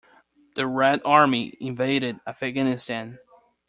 The Red Army invaded Afghanistan.